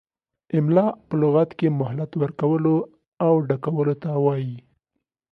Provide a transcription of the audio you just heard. املاء په لغت کې مهلت ورکولو او ډکولو ته وايي.